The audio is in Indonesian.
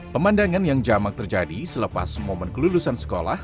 pemandangan yang jamak terjadi selepas momen kelulusan sekolah